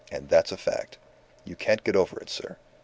And that's a fact. You can't get over it, sir.